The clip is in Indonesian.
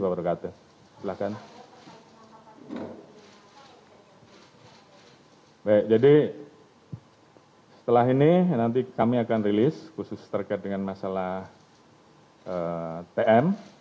baik jadi setelah ini nanti kami akan rilis khusus terkait dengan masalah tm